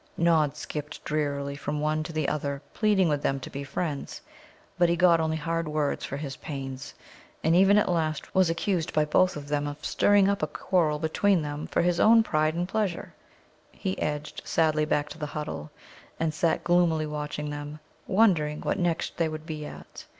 Nod skipped drearily from one to the other, pleading with them to be friends. But he got only hard words for his pains, and even at last was accused by both of them of stirring up a quarrel between them for his own pride and pleasure. He edged sadly back to the huddle, and sat gloomily watching them, wondering what next they would be at.